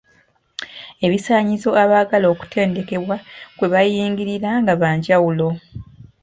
Ebisaanyizo abaagala okutendekebwa kwe baayingiriranga bya njawulo.